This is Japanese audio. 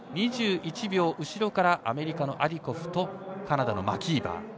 ２１秒後ろからアメリカのアディコフとカナダのマキーバー。